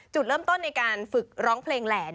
จุดเริ่มต้นในการฝึกร้องเพลงแหล่